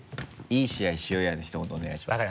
「いい試合しようや」のひと言お願いします。